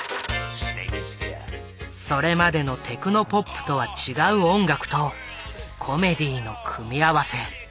それまでのテクノポップとは違う音楽とコメディーの組み合わせ。